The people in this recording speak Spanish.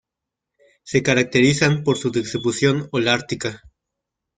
Se caracterizan por su distribución Holártica.